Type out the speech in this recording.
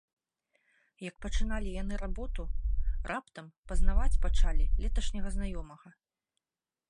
Як пачыналі яны работу, раптам пазнаваць пачалі леташняга знаёмага.